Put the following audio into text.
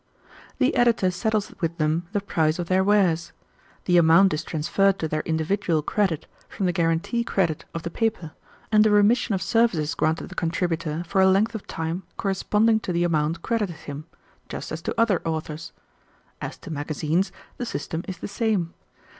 "The editor settles with them the price of their wares. The amount is transferred to their individual credit from the guarantee credit of the paper, and a remission of service is granted the contributor for a length of time corresponding to the amount credited him, just as to other authors. As to magazines, the system is the same.